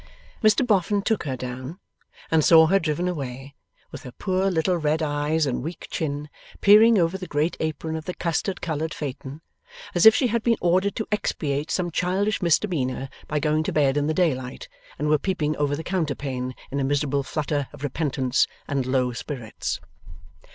Mr Boffin took her down, and saw her driven away, with her poor little red eyes and weak chin peering over the great apron of the custard coloured phaeton, as if she had been ordered to expiate some childish misdemeanour by going to bed in the daylight, and were peeping over the counterpane in a miserable flutter of repentance and low spirits.